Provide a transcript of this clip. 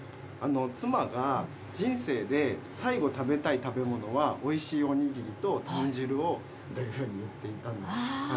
妻が人生で最後、食べたい食べ物は、おいしいお握りと豚汁をっていうふうに言っていたんです。